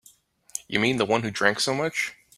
You mean the one who drank so much?